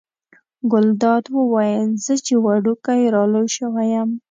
ګلداد وویل زه چې وړوکی را لوی شوی یم.